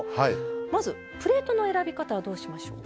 まず、プレートの選び方はどうしましょうか。